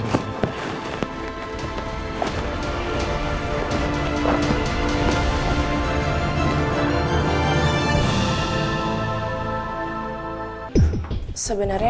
kita jalan disini